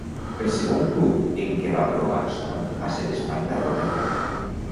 El segon club en què va provar sort va ser l'Sparta Rotterdam.